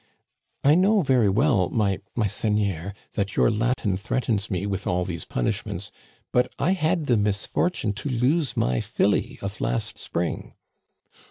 I know very well my — my seigneur, that your Latin threatens me with all these punishments ; but I had the misfortune to lose my filly of last spring."